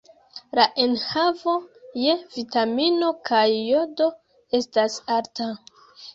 La enhavo je vitamino kaj jodo estas alta.